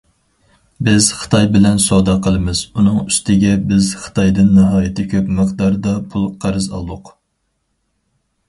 بىز خىتاي بىلەن سودا قىلىمىز، ئۇنىڭ ئۈستىگە بىز خىتايدىن ناھايىتى كۆپ مىقداردا پۇل قەرز ئالدۇق.